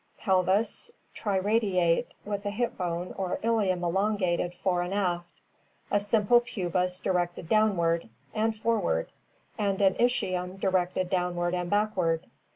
Pelvis triradiate (see Fig. 151, B), with a hip bone or ilium elongated fore and aft, a simple pubis directed downward and for ward, and an ischium directed downward and backward.